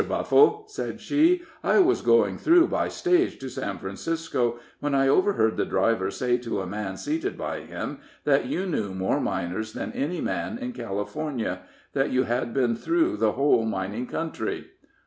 Buffle," said she, "I was going through by stage to San Francisco, when I overheard the driver say to a man seated by him that you knew more miners than any man in California that you had been through the whole mining country."